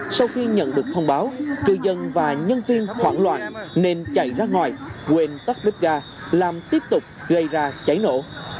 sau khi nhận được thông báo cư dân và nhân viên hoảng loạn nên chạy ra ngoài quên tắt ga làm tiếp tục gây ra cháy nổ